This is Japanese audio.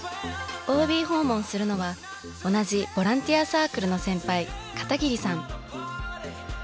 ＯＢ訪問するのは同じボランティアサークルの先輩片桐さん。